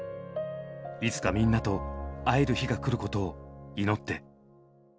いつかみんなと会える日が来ることを祈って。